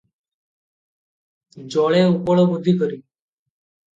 ଜଳେ ଉପଳ ବୁଦ୍ଧି କରି ।